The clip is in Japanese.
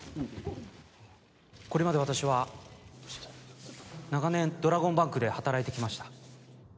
これまで私は長年ドラゴンバンクで働いてきました